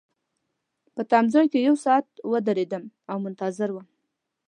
په تمځای کي یو ساعت ودریدم او منتظر وم.